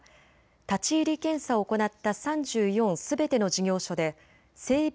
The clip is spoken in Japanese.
立ち入り検査を行った３４すべての事業所で整備